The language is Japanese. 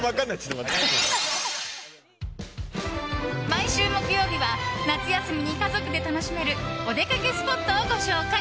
毎週木曜日は夏休みに家族で楽しめるお出かけスポットをご紹介！